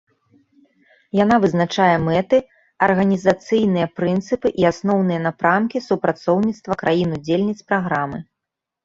Яна вызначае мэты, арганізацыйныя прынцыпы і асноўныя напрамкі супрацоўніцтва краін удзельніц праграмы.